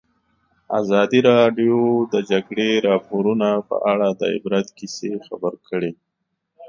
ازادي راډیو د د جګړې راپورونه په اړه د عبرت کیسې خبر کړي.